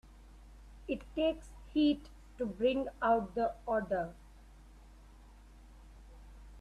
It takes heat to bring out the odor.